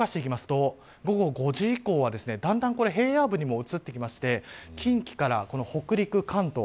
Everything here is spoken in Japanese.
午後５時以降はだんだん平野部にも移ってきて近畿から北陸、関東